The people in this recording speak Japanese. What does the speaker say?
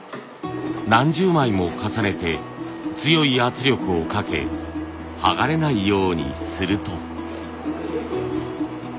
何十枚も重ねて強い圧力をかけ剥がれないようにすると。